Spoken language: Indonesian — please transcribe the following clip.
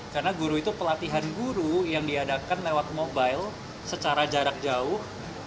karena guru itu pelatihan guru yang diadakan lewat mobile secara jarak jauh